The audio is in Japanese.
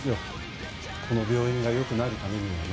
この病院がよくなるためにはね。